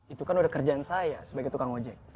itu kan udah kerjaan saya sebagai tukang ojek